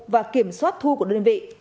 và kiểm soát thu của đơn vị